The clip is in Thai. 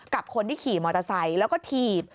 กับคนที่ขี่มอเตอร์ไซค์แล้วก็ถีบ